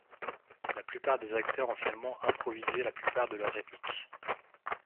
La plupart des acteurs ont finalement improvisé la plupart de leur répliques.